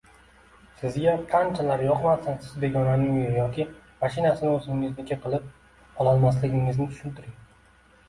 Sizga qanchalar yoqmasin siz begonaning uyi yoki mashinasini o‘zingizniki qilib olomasligingizni tushuntiring.